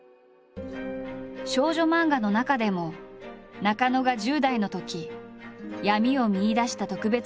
少女漫画の中でも中野が１０代のとき闇を見いだした特別な作品がある。